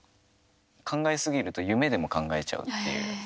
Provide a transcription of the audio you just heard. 考え過ぎると夢でも考えちゃうっていう。